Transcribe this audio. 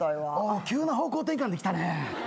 急な方向転換できたね。